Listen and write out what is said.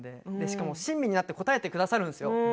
しかも、親身になって答えてくださるんですよ。